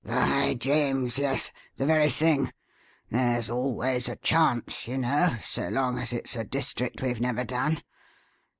"By James! yes. The very thing. There's always a chance, you know, so long as it's a district we've never done.